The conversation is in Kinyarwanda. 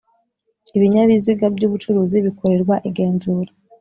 Ibinyabiziga byubucuruzi bikorerwa igenzura